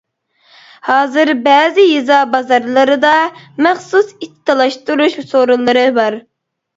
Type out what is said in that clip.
ھازىر بەزى يېزا-بازارلىرىدا مەخسۇس ئىت تالاشتۇرۇش سورۇنلىرى بار.